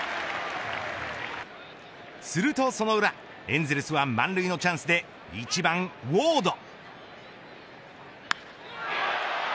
するとその裏エンゼルスは満塁のチャンスで１番ウォード。